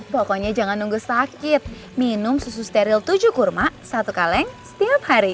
pokoknya jangan nunggu sakit minum susu steril tujuh kurma satu kaleng setiap hari